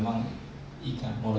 memang kan benda kotor ya